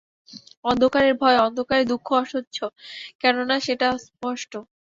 অন্ধকারের ভয়, অন্ধকারের দুঃখ অসহ্য, কেননা সেটা অস্পষ্ট।